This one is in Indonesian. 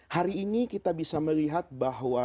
hari ini kita bisa melihat bahwa